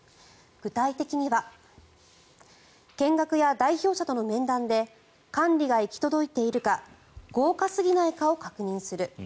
具体的には見学や代表者との面談で管理が行き届いているか豪華すぎないかを確認する。